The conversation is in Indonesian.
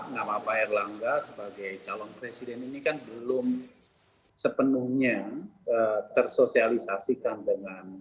nama pak erlangga sebagai calon presiden ini kan belum sepenuhnya tersosialisasikan dengan